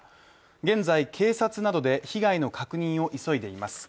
現在、警察などで被害の確認を急いでいます。